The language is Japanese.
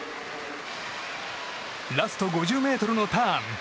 ラスト５０ｍのターン。